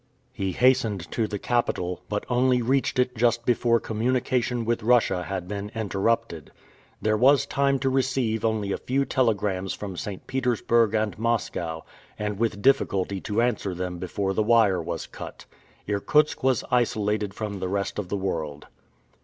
He hastened to the capital, but only reached it just before communication with Russia had been interrupted. There was time to receive only a few telegrams from St. Petersburg and Moscow, and with difficulty to answer them before the wire was cut. Irkutsk was isolated from the rest of the world.